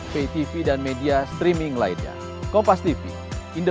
super airjet besar satu tiga